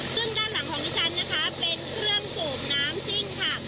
ซึ่งด้านหลังของดิฉันนะคะเป็นเครื่องสูบน้ำซิ่งค่ะ